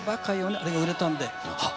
あれが売れたんではっ